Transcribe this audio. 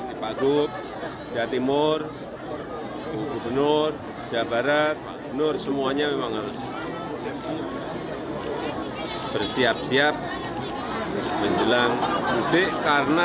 the drop the timur the untersen osor jabarat nur semuanya memang harus bersiap siap menjelang putih karena